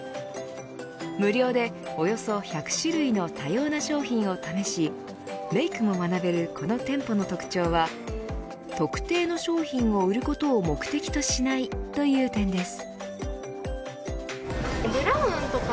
無料で、およそ１００種類の多様な商品を試しメークも学べるこの店舗の特徴は特定の商品を売ることを目的としないという点です。